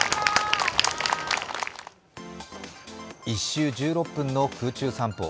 １周１６分の空中散歩。